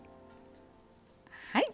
はい。